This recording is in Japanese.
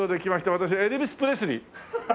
私エルヴィス・プレスリー。